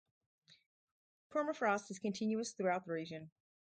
Permafrost is continuous throughout the region.